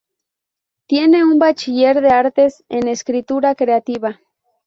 Tiene un bachiller de Artes en Escritura Creativa.